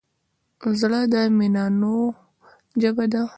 زړه د مینانو ژبه ده.